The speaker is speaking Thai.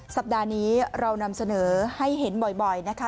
สัปดาห์นี้เรานำเสนอให้เห็นบ่อยนะคะ